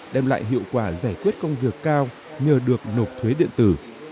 đem lại hiệu quả giải quyết công việc cao nhờ được nộp thuế điện tử